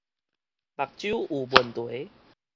目睭有問題